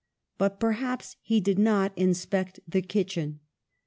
But perhaps he did not inspect the kitchen.